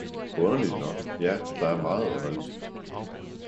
Underligt nok, ja der er meget underligt.